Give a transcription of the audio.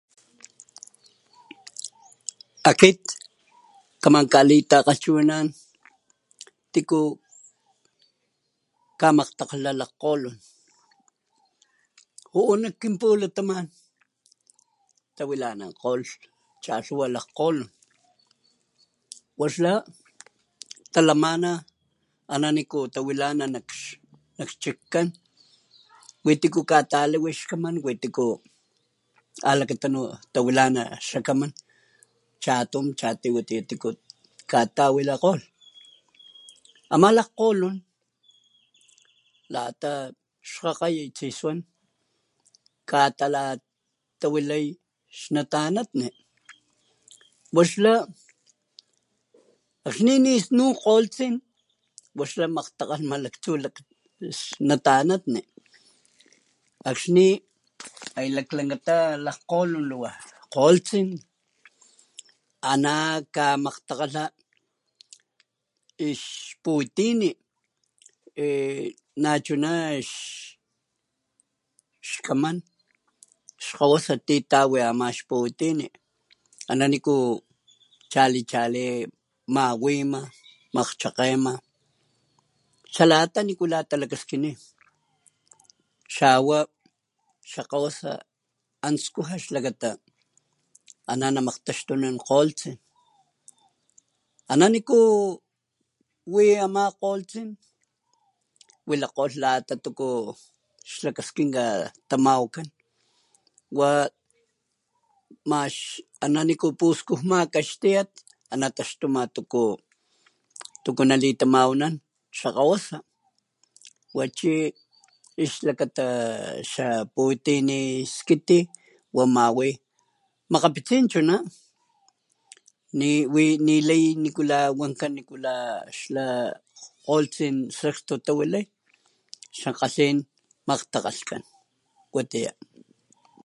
Akit kamankalitakgalhchiwinana tiku kamakgtakgalha lakgkgolon juu nak kinpulataman tawilana chalhuwa lakgkgolon wax la talamana ana niku tawilana nak xikkkan wi tiku katakama xkaman wi tiku alakatunu alakatunu tawilana xakaman wilakgolh ama lakgolon lata xkgakgama katakama natanatni waxla akxni nisnun kgolotsin akxni hay laklankata lakgolon lawa kgolotsin ana kamakgtakgalha ixputini nachuna kamakgtakgalha ixkaman ana niku chali chali xalata niku maklakaskin xawa xakgawa an skuja xlakata ana niku wi ama kgolo wilakgolh ana nik xlakaskinka xtiyat ana taxtu ama tuku tuku nalitamawanan xakgawasa xaputini skiti wa mawi makgapitsin chuna ankan xakgolotsin xakstu tawilay xakgalhin makgtakgalhkan